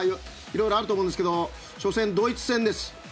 色々あると思うんですが初戦、ドイツ戦です。